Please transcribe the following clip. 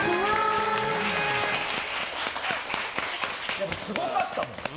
やっぱりすごかったもん。